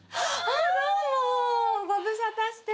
あどうもご無沙汰してます